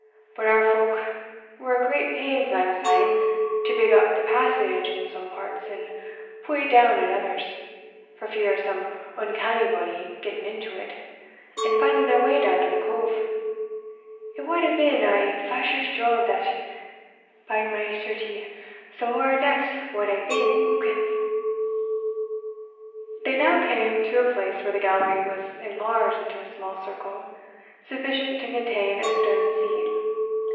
But our folk were at great pains lang syne to big up the passage in some parts, and pu' it down in others, for fear o' some uncanny body getting into it, and finding their way down to the cove: it wad hae been a fashious job that by my certie, some o' our necks wad hae been ewking." They now came to a place where the gallery was enlarged into a small circle, sufficient to contain a stone seat.